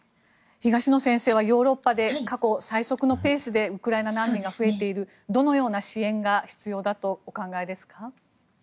東野先生はヨーロッパで過去最速のペースでウクライナ難民が増えているどのような支援が必要だとお考えですか？